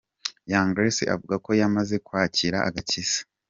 Young Grace avuga ko yamaze kwakira agakiza.